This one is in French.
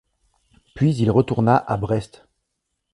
Puis il retourna à Brest.